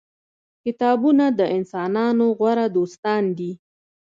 کتابونه د انسانانو غوره دوستان دي.